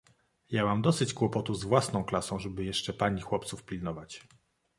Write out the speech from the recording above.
"Ja mam dosyć kłopotów z własną klasą, żeby jeszcze pani chłopców pilnować."